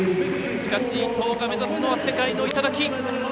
しかし、伊藤が目指すのは世界の頂。